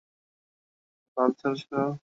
এইসব বালছাল সরাও।